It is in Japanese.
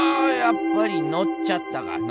やっぱりのっちゃったか！